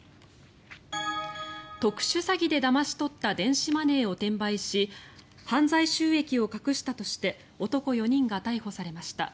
特殊詐欺でだまし取った電子マネーを転売し犯罪収益を隠したとして男４人が逮捕されました。